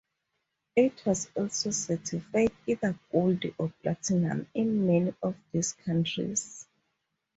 It was also certified either gold or platinum in many of these countries.